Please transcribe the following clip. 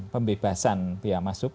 pembebasan biaya masuk